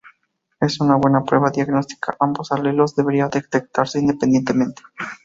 En una buena prueba diagnóstica, ambos alelos debería detectarse independientemente.